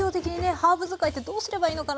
ハーブ使いってどうすればいいのかなって